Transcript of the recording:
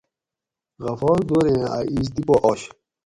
غفار دوریں اۤ ایس دی پا آش